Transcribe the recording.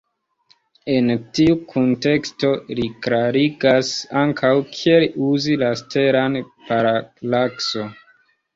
En tiu kunteksto li klarigas ankaŭ, kiel uzi la stelan paralakson.